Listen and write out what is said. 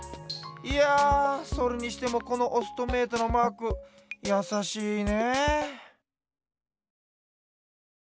いやそれにしてもこのオストメイトのマークやさしいね。